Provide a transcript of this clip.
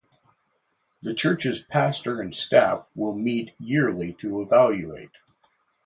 The church’s pastor and staff will meet yearly to evaluate.